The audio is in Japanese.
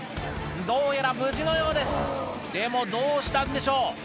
どうやら無事のようですでもどうしたんでしょう？